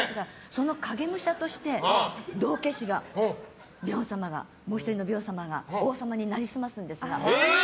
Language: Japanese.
その影武者として道化師がもう１人のビョン様が王様に成り済ますんですが。